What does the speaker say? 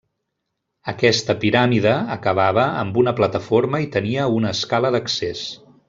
Aquesta piràmide acabava amb una plataforma i tenia una escala d'accés.